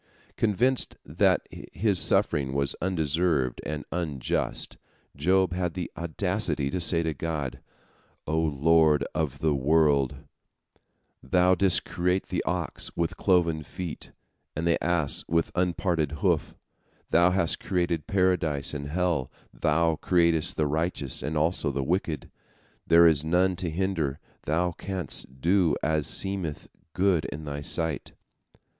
Convinced that his suffering was undeserved and unjust, Job had the audacity to say to God: "O Lord of the world, Thou didst create the ox with cloven feet and the ass with unparted hoof, Thou hast created Paradise and hell, Thou createst the righteous and also the wicked. There is none to hinder, Thou canst do as seemeth good in Thy sight."